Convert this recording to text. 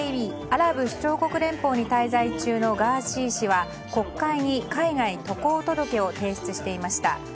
ＵＡＥ・アラブ首長国連邦に滞在中のガーシー氏は国会に海外渡航届を提出していました。